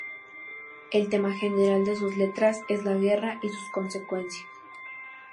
El tema general de sus letras es la guerra y sus consecuencias.